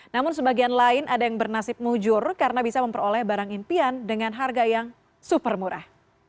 namun sebagian lain ada yang bernasib mujur karena bisa memperoleh barang impian dengan harga yang super murah